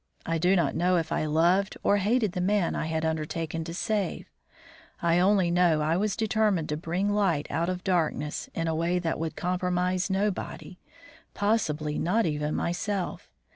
I do not know if I loved or hated the man I had undertaken to save. I only know I was determined to bring light out of darkness in a way that would compromise nobody, possibly not even myself.